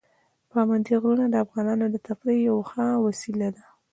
پابندي غرونه د افغانانو د تفریح یوه ښه وسیله ده.